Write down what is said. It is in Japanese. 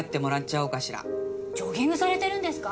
ジョギングされてるんですか？